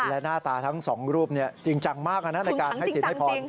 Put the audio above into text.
และหน้าตาทั้งสองรูปจริงจังมากในการให้สินให้พร